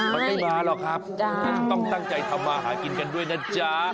มันไม่มาหรอกครับต้องตั้งใจทำมาหากินกันด้วยนะจ๊ะ